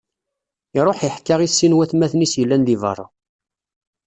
Iṛuḥ iḥka i sin n watmaten-is yellan di beṛṛa.